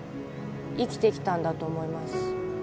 生きてきたんだと思います